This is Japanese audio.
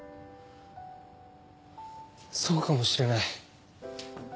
そうかもしれない。